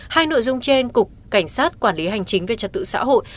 hai nội dung trên cục cảnh sát quản lý hành chính về trật tự xã hội